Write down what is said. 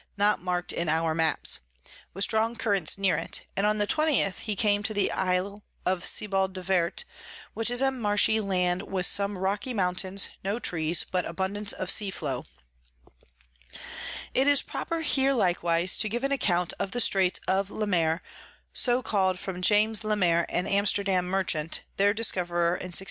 not mark'd in our Maps, with strong Currents near it; and on the 20_th_ he came to the Isle of Sebald de Wert, which is a marshy Land with some rocky Mountains, no Trees, but abundance of Sea Flow. [Sidenote: Account of the Straits of Le Maire.] It is proper here likewise to give an Account of the Straits of Le Maire, so call'd from James Le Maire an Amsterdam Merchant, their Discoverer in 1615.